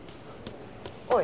おい。